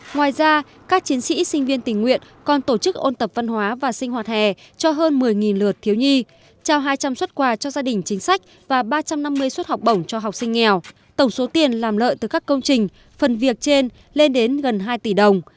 ngoài ra các chiến sĩ sinh viên tình nguyện còn tổ chức ôn tập văn hóa và sinh hoạt hè cho hơn một mươi lượt thiếu nhi trao hai trăm linh xuất quà cho gia đình chính sách và ba trăm năm mươi suất học bổng cho học sinh nghèo tổng số tiền làm lợi từ các công trình phần việc trên lên đến gần hai tỷ đồng